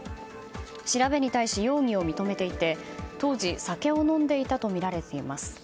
調べに対し容疑を認めていて当時、酒を飲んでいたとみられています。